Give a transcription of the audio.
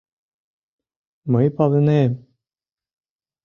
— Мый палынем.